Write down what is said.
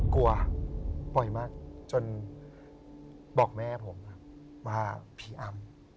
กลัวบ่อยมากจนบอกแม่ผมว่าผีอำ